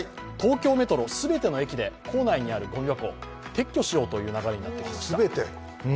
東京メトロ、全ての駅で構内にあるごみ箱を撤去しようという流れになっています。